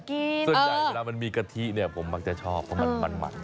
ส่วนใหญ่เวลามันมีกะทิเนี่ยผมมักจะชอบเพราะมัน